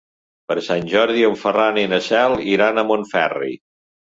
Per Sant Jordi en Ferran i na Cel iran a Montferri.